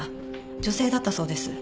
女性だったそうです。